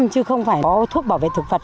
chứ không phải có thuốc bảo vệ thực vật